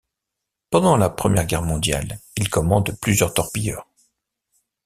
Pendant la Première Guerre mondiale, il commande plusieurs torpilleurs.